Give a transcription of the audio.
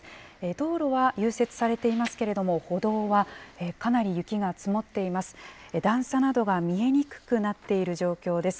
道路は融雪されていますけれども、歩道はかなり雪が積もっています。